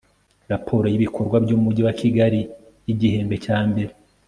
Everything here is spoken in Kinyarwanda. Raporo y ibikorwa by Umujyi wa Kigali y igihembwe cya mbere